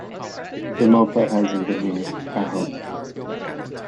That Moffat hasn't been here, I hope?